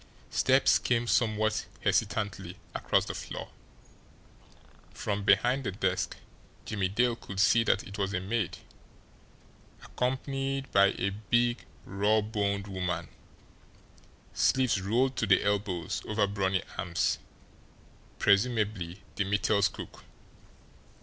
Steps came somewhat hesitantly across the floor from behind the desk, Jimmie Dale could see that it was a maid, accompanied by a big, rawboned woman, sleeves rolled to the elbows over brawny arms, presumably the Mittels' cook.